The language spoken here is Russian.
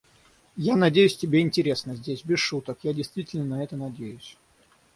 Я надеюсь, тебе интересно здесь. Без шуток, я действительно на это надеюсь.